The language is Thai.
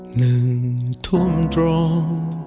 หนึ่งทุ่มตรง